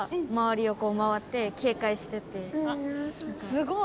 すごい。